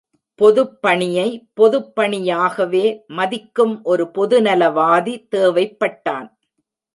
பொதுப்பணியை பொதுப்பணியாகவே மதிக்கும் ஒரு பொதுநலவாதி தேவைப்பட்டான்.